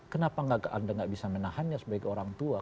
kenapa anda nggak bisa menahannya sebagai orang tua